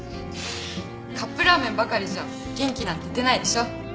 カップラーメンばかりじゃ元気なんて出ないでしょ。